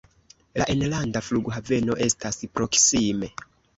La enlanda flughaveno estas proksime.